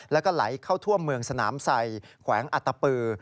แล้วก็ไหลเข้าท่วมเมืองสนามใส่แขวงอัตปือ